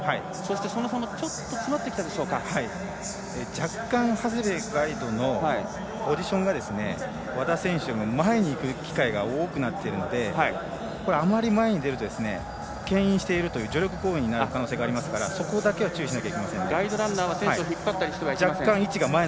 その差も、ちょっと若干、長谷部ガイドのポジションが和田選手よりも前に行く機会が多くなっているのであまり前に出るとけん引しているという助力行為になる可能性がありますからそこだけは注意しなければいけません。